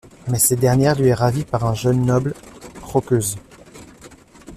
Mais cette dernière lui est ravie par un jeune noble, Croceus.